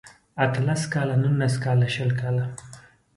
اته لس کاله نولس کاله شل کاله